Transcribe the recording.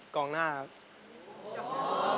กองหน้าครับ